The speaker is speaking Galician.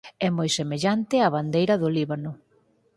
É moi semellante á bandeira do Líbano.